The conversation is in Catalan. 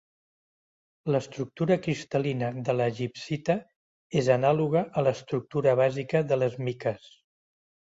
L'estructura cristal·lina de la gibbsita és anàloga a l'estructura bàsica de les miques.